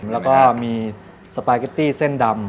แล้วก็มีสปาเกตตี้เส้นดำ